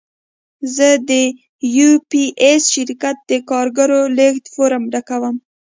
زه د یو پي ایس شرکت د کارګو لېږد فورمه ډکوم.